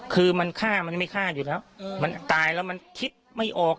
คือมันฆ่ามันไม่ฆ่าอยู่แล้วมันตายแล้วมันคิดไม่ออก